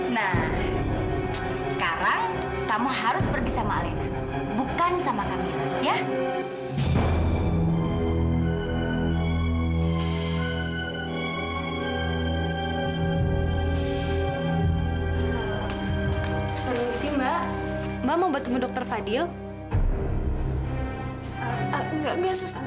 nah sekarang kamu harus pergi sama alena bukan sama kami ya